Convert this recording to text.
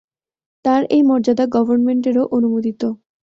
তাঁর এই মর্যাদা গভর্নমেন্টেরও অনুমোদিত।